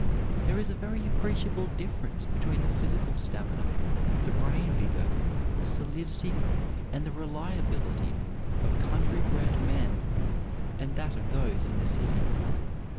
There is a very appreciable difference between the physical stamina, the brain vigor, the solidity and the reliability of country bred men and that of those in the city.